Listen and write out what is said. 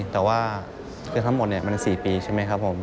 แต่ว่าเกือบทั้งหมดมัน๔ปีใช่ไหมครับผม